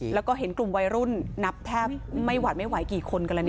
แล้วก็เห็นกลุ่มวัยรุ่นนับแทบไม่หวาดไม่ไหวกี่คนกันแล้วนี่